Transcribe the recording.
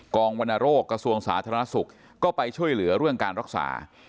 วรรณโรคกระทรวงสาธารณสุขก็ไปช่วยเหลือเรื่องการรักษา